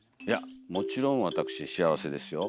もちろん私、幸せですよ。